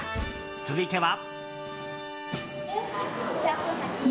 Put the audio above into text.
続いては。